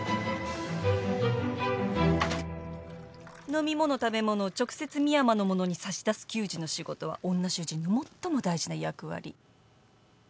飲み物食べ物を直接深山の者に差し出す給仕の仕事は女主人の最も大事な役割。